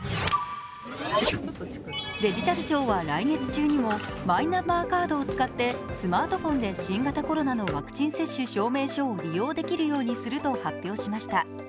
デジタル庁は来月中にもマイナンバーカードを使ってスマートフォンで新型コロナのワクチン接種証明書を利用できるようにすると発表しました。